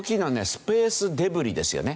スペースデブリですよね。